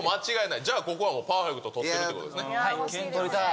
じゃあ、ここはパーフェクト取っていくということですね。